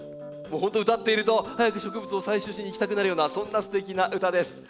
本当歌っていると早く植物を採集しに行きたくなるようなそんなすてきな歌です。